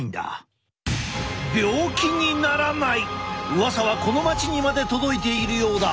うわさはこの町にまで届いているようだ。